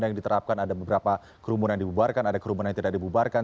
yang diterapkan ada beberapa kerumunan dibubarkan ada kerumunan yang tidak dibubarkan